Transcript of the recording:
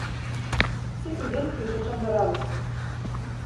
Секој ден пешачам до работа.